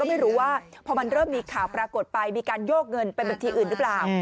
ไม่รู้ว่าพอมันเริ่มมีข่าวปรากฏไปมีการโยกเงินไปบัญชีอื่นหรือเปล่า